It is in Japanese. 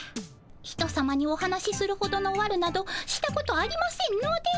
ひとさまにお話しするほどのわるなどしたことありませんので。